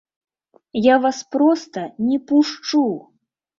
Я вас проста не пушчу!